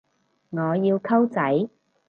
我要溝仔